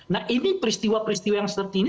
nah ini peristiwa peristiwa yang seperti ini